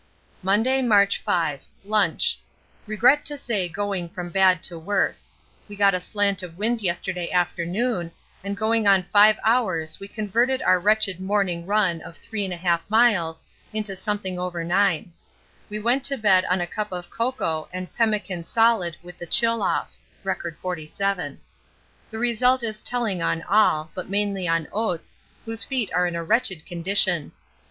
Monday, March 5. Lunch. Regret to say going from bad to worse. We got a slant of wind yesterday afternoon, and going on 5 hours we converted our wretched morning run of 3 1/2 miles into something over 9. We went to bed on a cup of cocoa and pemmican solid with the chill off. (R. 47.) The result is telling on all, but mainly on Oates, whose feet are in a wretched condition.